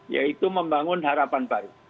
yaitu membangun harapan baru